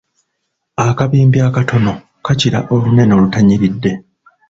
Akabimbi akatono kakira olunene olutanyiridde.